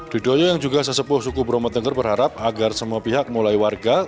dudoyo yang juga sesepuh suku bromo tengger berharap agar semua pihak mulai warga